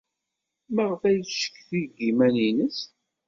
Maɣef ay yettcikki deg yiman-nnes?